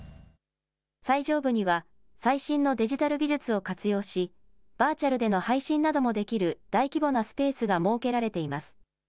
最上部には、最新のデジタル技術を活用し、バーチャルでの配信などもできる大規模なスペースが設けられています。